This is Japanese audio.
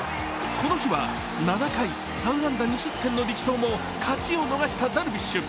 この日は７回３安打２失点の力投も勝ちを逃したダルビッシュ。